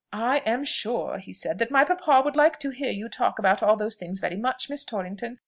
"I am sure," he said, "that my papa would like to hear you talk about all those things very much, Miss Torrington.